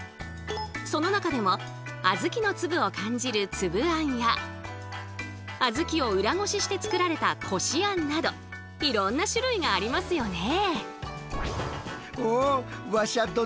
その中でもあずきの粒を感じる「つぶあん」やあずきを裏ごしして作られた「こしあん」などいろんな種類がありますよね。